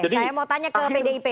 saya mau tanya ke pdip